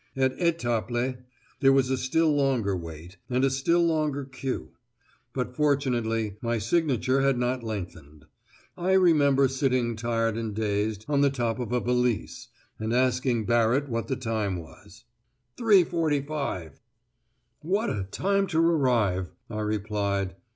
At Étaples there was a still longer wait, and a still longer queue; but, fortunately, my signature had not lengthened. I remember sitting tired and dazed on the top of a valise, and asking Barrett what the time was. "Three forty five!" "What a time to arrive!" I replied.